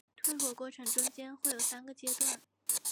退火过程中间会有三个阶段。